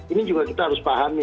ini juga kita harus pahami